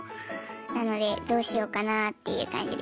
なのでどうしようかなっていう感じで。